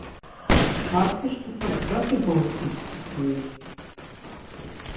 Mart̆iş tutas zati gontxims pukuri.